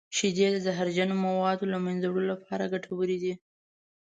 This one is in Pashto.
شیدې د زهرجن موادو د له منځه وړلو لپاره ګټورې دي.